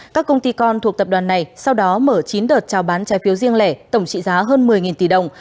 các công ty con thuộc tập đoàn này sau đó mở chín đợt trao bán trái phiếu riêng lẻ tổng trị giá hơn một mươi tỷ đồng